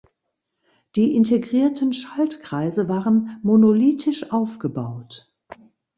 Die integrierten Schaltkreise waren monolithisch aufgebaut.